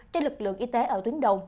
trên lực lượng y tế ở tuyến đồng